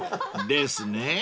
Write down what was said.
［ですね］